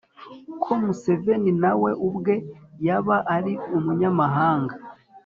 ko museveni na we ubwe yaba ari umunyamahanga.